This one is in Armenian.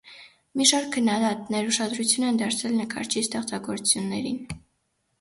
Մի շարք քննադատներ ուշադրություն են դարձրել նկարչի ստեղծագործություններին։